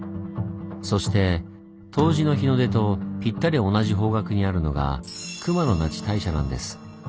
そして冬至の日の出とぴったり同じ方角にあるのが熊野那智大社なんです。